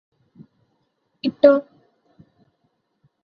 ഇട്ടോ